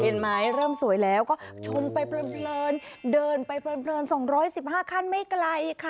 เห็นไหมเริ่มสวยแล้วก็ชมไปเพลินเดินไปเพลิน๒๑๕ขั้นไม่ไกลค่ะ